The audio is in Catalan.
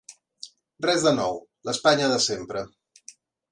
Res de nou, l’Espanya de sempre.